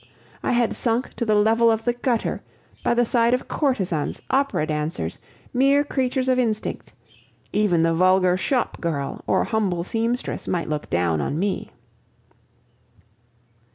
I had sunk to the level of the gutter, by the side of courtesans, opera dancers, mere creatures of instinct; even the vulgar shop girl or humble seamstress might look down on me.